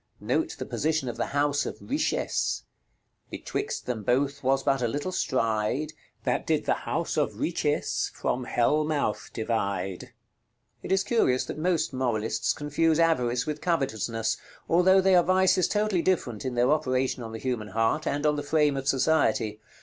Note the position of the house of Richesse: "Betwixt them both was but a little stride, That did the House of Richesse from Hell mouth divide." It is curious that most moralists confuse avarice with covetousness, although they are vices totally different in their operation on the human heart, and on the frame of society.